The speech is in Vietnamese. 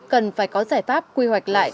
cần phải có giải pháp quy hoạch lại